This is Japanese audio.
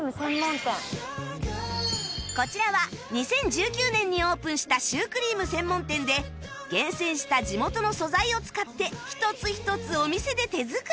こちらは２０１９年にオープンしたシュークリーム専門店で厳選した地元の素材を使って一つ一つお店で手作り